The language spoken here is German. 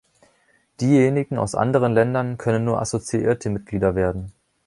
Diejenigen aus anderen Ländern können nur assoziierte Mitglieder werden.